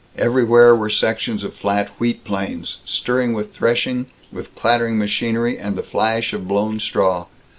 Everywhere were sections of flat wheat plains, stirring with threshing, with clattering machinery and the flash of blown straw.